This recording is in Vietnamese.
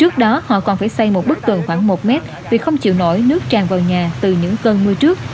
khoảng một mét vì không chịu nổi nước tràn vào nhà từ những cơn mưa trước